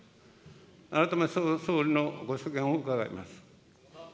改めて総理のご所見を伺います。